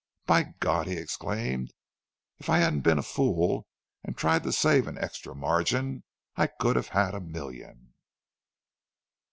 "By God!" he exclaimed. "If I hadn't been a fool and tried to save an extra margin, I could have had a million!"